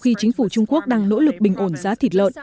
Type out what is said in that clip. khi chính phủ trung quốc đang nỗ lực bình ổn giá thịt lợn